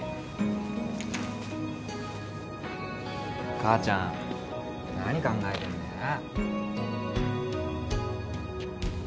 母ちゃん何考えてんだよな。